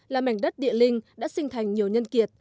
là mảnh đất địa linh đã sinh thành nhiều nhân kiệt